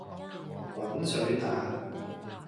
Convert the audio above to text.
滾水蛋